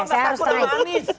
saya harus terangin